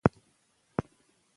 موږ د پوهې لارویان یو.